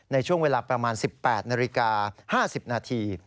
ในช่วงเวลาประมาณ๑๘นาฬิกา๕๐นาที